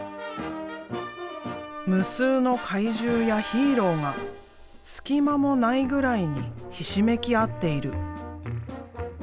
無数の怪獣やヒーローが隙間もないぐらいにひしめき合っている。